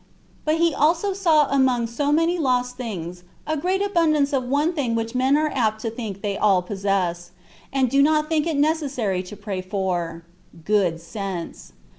But he also saw among so many lost things a great abundance of one thing which men are apt to think they all possess, and do not think it necessary to pray for, good sense.